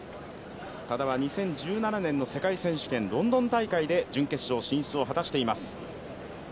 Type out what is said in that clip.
多田は２０１７年度世界選手権ロンドン大会で準決勝進出を果たしています。